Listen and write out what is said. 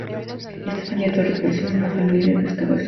Estefanía Torres nació en una familia de pescadores.